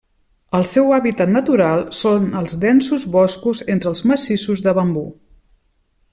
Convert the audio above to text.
El seu hàbitat natural són els densos boscos entre els massissos de bambú.